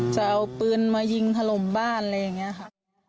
จะเอาปืนมายิงถล่มบ้านอะไรอย่างนี้ค่ะ